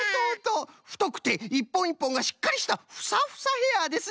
ふとくていっぽんいっぽんがしっかりしたフサフサヘアですね！